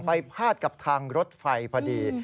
พาดกับทางรถไฟพอดี